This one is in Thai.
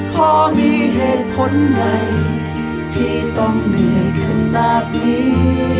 พอมีเหตุผลใดที่ต้องเหนื่อยขนาดนี้